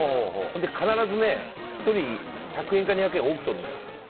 必ず１人１００円か２００円多くとるのよ。